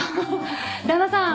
旦那さん